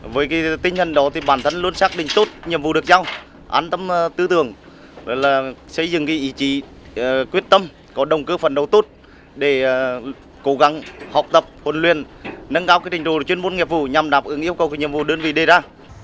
với tinh thần đó thì bản thân luôn xác định tốt nhiệm vụ được giao an tâm tư tưởng là xây dựng ý chí quyết tâm có đồng cơ phấn đấu tốt để cố gắng học tập huấn luyện nâng cao trình độ chuyên môn nghiệp vụ nhằm đáp ứng yêu cầu nhiệm vụ đơn vị đề ra